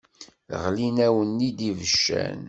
Ɣlin-awen-id ibeccan.